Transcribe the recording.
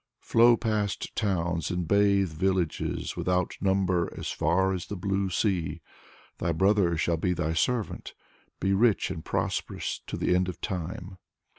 Flow past towns, and bathe villages without number as far as the blue sea. Thy brother shall be thy servant. Be rich and prosperous to the end of time!"